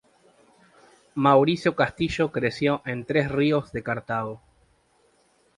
Mauricio Castillo creció en Tres Ríos de Cartago.